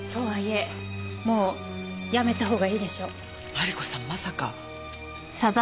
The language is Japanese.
マリコさんまさか。